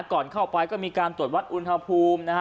ก่อนเข้าไปก็มีการตรวจวัดอุณหภูมินะฮะ